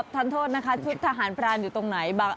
ท่านโทษนะคะชุดทหารพรานอยู่ตรงไหน